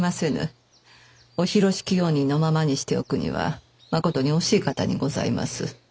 御広敷用人のままにしておくにはまことに惜しい方にございます。